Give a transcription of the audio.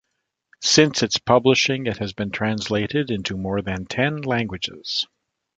Since its publishing it has been translated into more than ten languages.